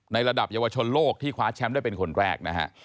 ระดับเยาวชนโลกที่คว้าแชมป์ได้เป็นคนแรกนะฮะ